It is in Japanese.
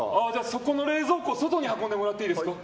そこの冷蔵庫外に運んでもらっていいですか。